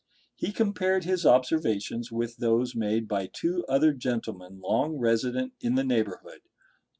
He compared his observations with those made by two other gentlemen long resident in the neighbourhood.